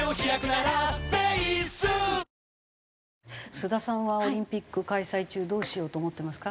須田さんはオリンピック開催中どうしようと思ってますか？